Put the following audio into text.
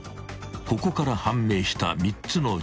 ［ここから判明した３つの事実］